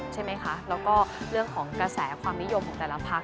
แล้วก็เรื่องของกระแสความนิยมของแต่ละพัก